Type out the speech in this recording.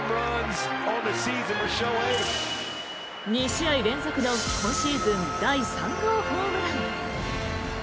２試合連続の今シーズン第３号ホームラン。